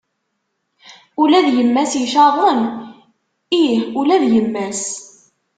Ula d yemma-s icaḍen? Ih ula d yemma-s.